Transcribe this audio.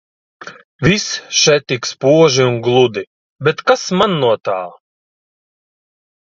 Viss še tik spoži un gludi, bet kas man no tā.